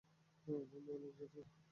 ওহে মানব জাতি!